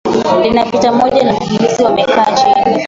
lina picha moja la wakimbizi wamekaa chini